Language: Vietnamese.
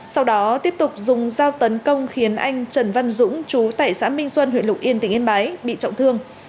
sau đó tiếp tục dùng dao tấn công khiến anh trần văn dũng chú tại xã minh xuân huyện lục yên tỉnh yên bái bị trọng thương